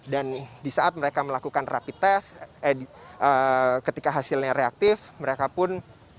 dan di saat mereka melakukan rapi tes ketika hasilnya reaktif mereka pun